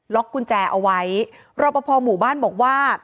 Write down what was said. ล็อกกุญแจเอาไว้รับประพอบ์หมู่บ้านบอกว่า